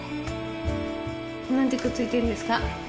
なんでくっついてるんですか？